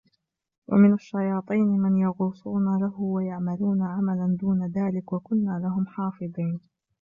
وَمِنَ الشَّيَاطِينِ مَنْ يَغُوصُونَ لَهُ وَيَعْمَلُونَ عَمَلًا دُونَ ذَلِكَ وَكُنَّا لَهُمْ حَافِظِينَ